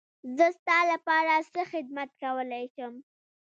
زه ستا لپاره څه خدمت کولی شم.